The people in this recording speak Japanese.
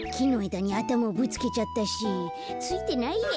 だにあたまをぶつけちゃったしついてないや。